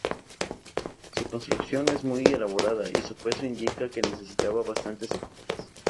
Su construcción no es muy elaborada y su peso indica que necesitaba bastantes soportes.